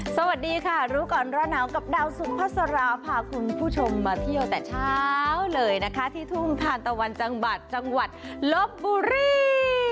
สวัสดีค่ะรู้ก่อนราวหนาวกับดาวสุขพระศราผ่าคุณผู้ชมมาเที่ยวแต่เช้าเลยที่ถุงพาลตะวันจังหวัดลบบุรี